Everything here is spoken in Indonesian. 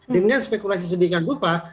dengan spekulasi sedihkan gupa